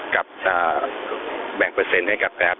กับแบ่งเปอร์เซ็นต์ให้กับแอฟ